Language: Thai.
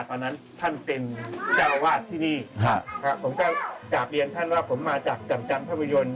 ตอนนั้นท่านเป็นเจ้าอาวาสที่นี่ผมก็กราบเรียนท่านว่าผมมาจากจำจันภาพยนตร์